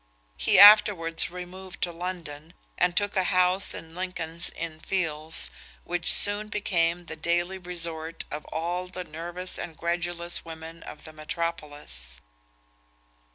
He afterwards removed to London, and took a house in Lincoln's Inn Fields, which soon became the daily resort of all the nervous and credulous women of the metropolis.